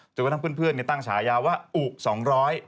แต่ก็ทั้งเพื่อนตั้งฉายาวว่าอุ่ง๒๐๐